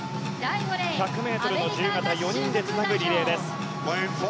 １００ｍの自由形４人でつなぐリレーです。